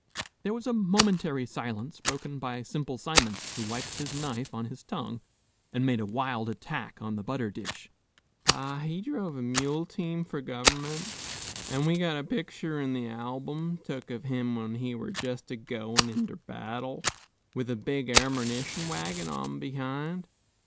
There was a momentary silence, broken by Simple Simon, who wiped his knife on his tongue, and made a wild attack on the butter dish. "Pa, he druv a mule team for gov'ment; an' we got a picter in the album, tuk of him when he were just a goin' inter battle, with a big ammernition wagin on behind.